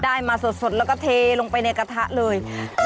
ได้มาสดแล้วก็เทลงไปในกระทะเลย